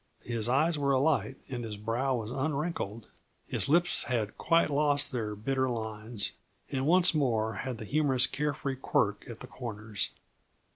His eyes were alight and his brow was unwrinkled. His lips had quite lost their bitter lines, and once more had the humorous, care free quirk at the corners.